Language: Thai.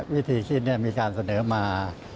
วิธีคิดมีการเสนอมา